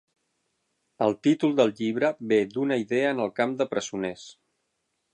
El títol del llibre ve d'una idea en el camp de presoners.